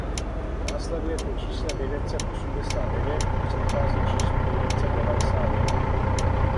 Následuje po čísle devět set osmdesát devět a předchází číslu devět set devadesát jedna.